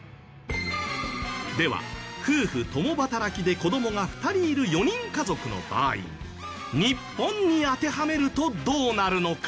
では夫婦共働きで子どもが２人いる４人家族の場合日本に当てはめるとどうなるのか？